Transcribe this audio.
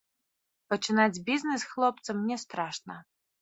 Пачынаць бізнес хлопцам не страшна.